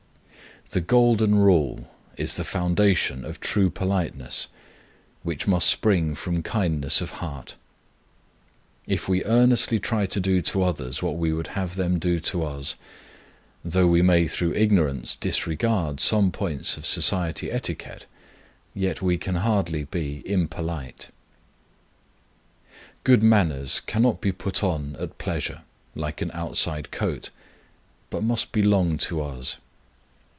The Golden Rule is the foundation of true politeness, which must spring from kindness of heart. If we earnestly try to do to others what we would have them do to us, though we may through ignorance disregard some points of society etiquette, yet we can hardly be impolite. Good manners cannot be put on at pleasure, like an outside coat, but must belong to us.